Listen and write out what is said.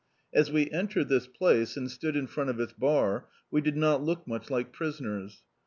As we entered this place, and stood in front of its bar, we did not look much like prisoners.